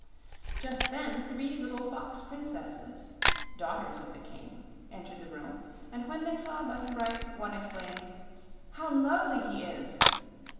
Just then three little fox princesses, daughters of the King, entered the room, and when they saw Button Bright one exclaimed: "How lovely he is!"